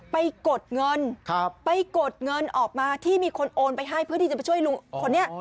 กดเงินไปกดเงินออกมาที่มีคนโอนไปให้เพื่อที่จะไปช่วยลุงคนนี้